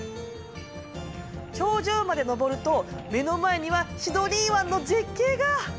頂上まで登ると目の前にはシドニー湾の絶景が！